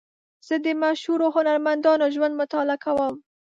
زه د مشهورو هنرمندانو ژوند مطالعه کوم.